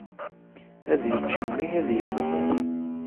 Ad yečč mmi ad yegmu.